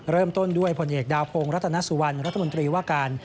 เริ่มต้นด้วยผลเอกดาวพงศ์รัตนสุวรรณรัฐมนตรีว่าการ